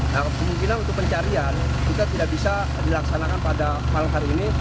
nah kemungkinan untuk pencarian juga tidak bisa dilaksanakan pada malam hari ini